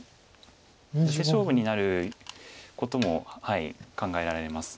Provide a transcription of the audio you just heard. ヨセ勝負になることも考えられます。